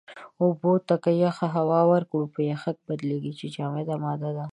اوبو ته که يخه هوا ورکړو، په يَخٔک بدلېږي چې جامده ماده ده.